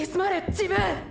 自分！！